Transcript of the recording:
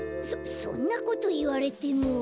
そそんなこといわれても。